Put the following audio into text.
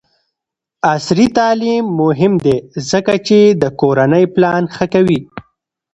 عصري تعلیم مهم دی ځکه چې د کورنۍ پلان ښه کوي.